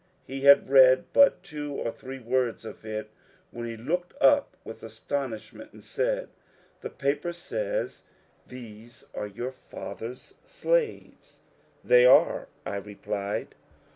He had read but two or three words of it when he looked up with aston ishment, and said, ^^ The paper says these are your father's 362 MONCURE DANIEL CONWAT slaves." "They are," I replied.